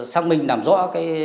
xác minh làm sử dụng trà sữa